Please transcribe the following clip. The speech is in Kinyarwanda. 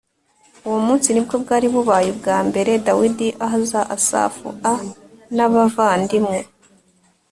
Uwo munsi ni bwo bwari bubaye ubwa mbere Dawidi ahaza Asafu a n abavandimwe